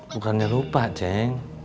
bukannya lupa ceng